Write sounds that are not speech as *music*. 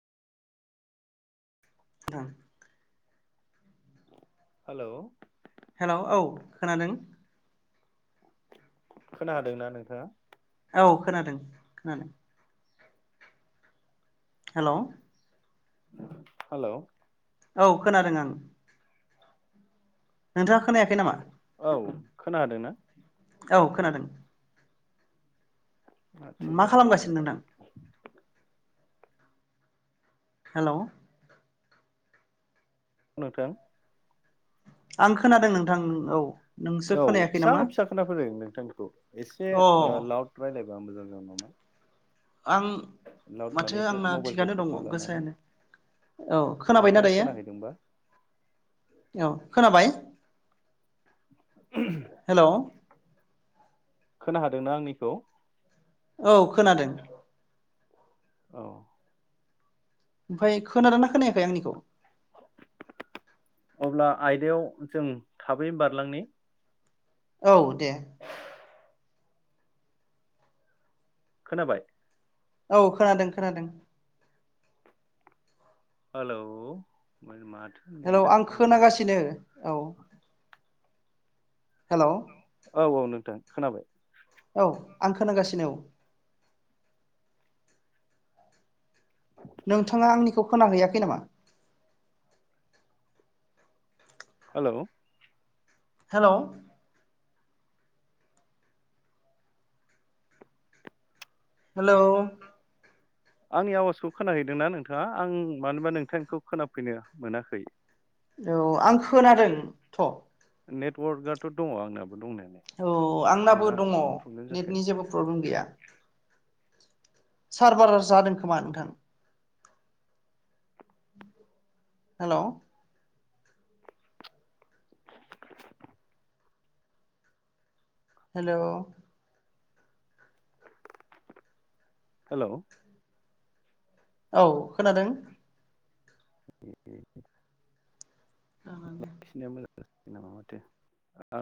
थां। हेल' हेल औ खोनादों खोनादोंना नोंथाङा औ खोनादों खोनादों हेल हेल' औ खोनादों आं नोंथाङा खोनायाखै नामा औ खोनादोना औ खोनादों माथौ मा खालामगासिनो जाखौलाय? नोंथां हेल'। नोंथां आं खोनादों नोंथां औ। नोंसो औ खोनायाखै फिसा नामा फिसा खोना फोदों नोंथांखौ एसे अ लाउद रायलाय- बा मोजां जागोन नामा? आं लाउड माथो माने एसे आंना मबाइलखौ थिगानो दङ खाथियाव लानानै गोसायानो। औ खोनाबाय ना नोंथाङा दायो? खोनाहैदोंबा औ खोनाबाय? हेल' खोना हादोंना आंनिखौ औ खोनादों औ ओमफ्राय खोनादों ना खोनायाखै आंनिखौ अब्ला आयदायाव जों थाबै बारलांनि औ दे खोनाबाय औ खोनादों खोनादों हेलौ *unintelligible* हेलौ आं दंब्रा खोनागासिनो औ हेलौ। औ औ नोंथां खोनाबाय। औ आं खोनागासिनो औ। नोंथाङा आंनिखौ खोनाहैैयाखै नामा? Hello hello. हेल'। आंनि आवाजखौ खोनाहैदोंना नोंथाङा आं मानोबा नोंथांखौ खोनाफैनो मोनाखै। औ आं खोनादों थ' नेटवाकआथ' दङ आंना। औ आंनाबो दङ प्रब्लेम जाखो नेटनि जेबो प्रब्लेम गैया। सार बारार जादों खोमा नोंथां। हेलौ हेलौ, हेलौ औ खोनादों। *inaudible* लाखिनाया मोजां। *unintelligible*